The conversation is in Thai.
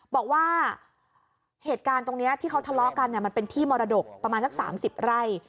บอกว่าเหตุการณ์ตรงนี้ที่เขาทะเลาะกันมันเป็นที่มรดกประมาณสัก๓๐ไร่